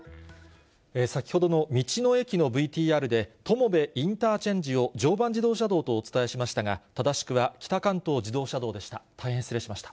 先ほどの道の駅のＶＴＲで、友部インターチェンジを常磐自動車道とお伝えしましたが、正しくは北関東自動車道でした。